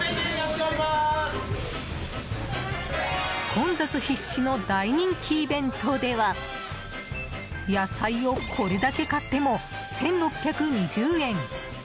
混雑必至の大人気イベントでは野菜をこれだけ買っても１６２０円。